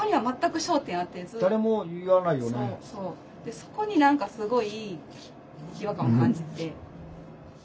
そこに何かすごい違和感を感じて。